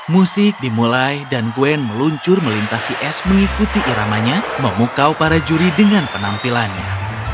musik dimulai dan gwen meluncur melintasi es mengikuti iramanya memukau para juri dengan penampilannya